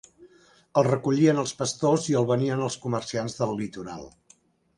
El recollien els pastors i el venien als comerciants del litoral.